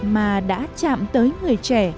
mà đã chạm tới người trẻ